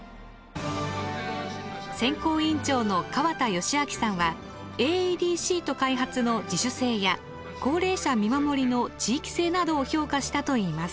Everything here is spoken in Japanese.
選考委員長の河田惠昭さんはＡＥＤシート開発の自主性や高齢者見守りの地域性などを評価したといいます。